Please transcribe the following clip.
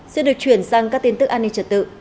xin được chuyển sang các tin tức an ninh trật tự